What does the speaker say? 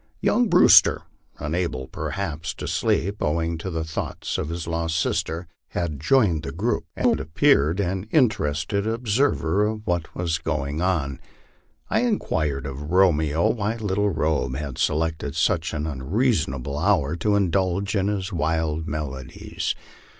Young Brewster unable, perhaps, to sleep, owing to thoughts of his lost sister had joined the group, and appeared an interested observer of what was going on. I inquired of Romeo why Little Robe had selected such an unreasonable hour to indulge in his wild melodies.